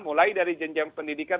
mulai dari jenjang pendidikan